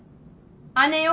姉よ。